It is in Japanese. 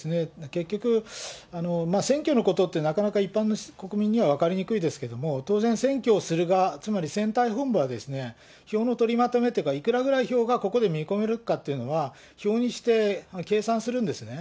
結局、選挙のことって、なかなか一般の国民には分かりにくいですけれども、当然、選挙をする側、つまり選対本部は、票の取りまとめというか、いくらぐらい票がここで見込まれるかというのは、票にして計算するんですね。